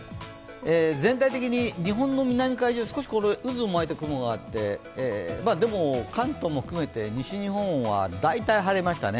全体的に日本の南海上に少し渦を巻いた雲があってでも、関東も含めて西日本は大体晴れましたね。